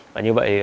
và như vậy